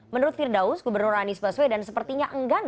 menurut firdaus gubernur anies baswe dan sepertinya enggan